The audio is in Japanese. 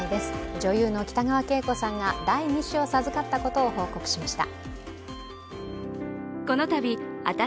女優の北川景子さんが、第２子を授かったことを報告しました。